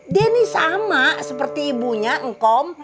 denny sama seperti ibunya ngkom